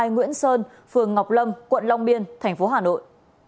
nguyễn sơn phường ngọc lâm quận long biên thành phố hà nội